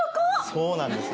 そうなんです。